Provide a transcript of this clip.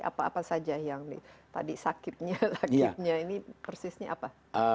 apa apa saja yang tadi sakitnya sakitnya ini persisnya apa